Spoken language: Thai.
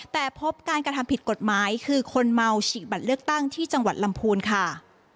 แต่พบการกระทำผิดกฎหมายคือคนเมาฉีกบัตรเลือกตั้งที่จังหวัดลำพูนค่ะ